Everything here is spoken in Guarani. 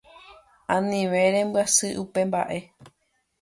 anive rembyasy upe mba'e